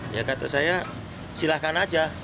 ya kata saya silahkan aja